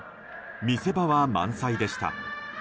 見せ場は満載でした。